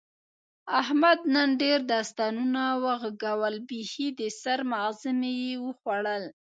احمد نن ډېر داستانونه و غږول، بیخي د سر ماغز مې یې وخوړل.